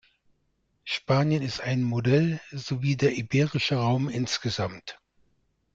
Spanien ist ein Modell, so wie der iberische Raum insgesamt.